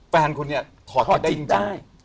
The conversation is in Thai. แฟนคุณเนี่ยถอดจิตได้